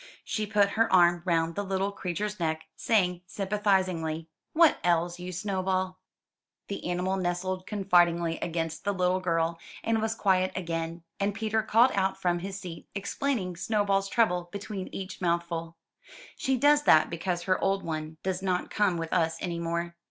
She put her arm round the little creature's neck, saying sympathizingly, *'What ails you, Snowball?" The animal nestled confidingly against the little girl, and was quiet again; and Peter called out from his seat, explaining Snowball's trouble between each mouthful. She does that because her old one does not come with us any more.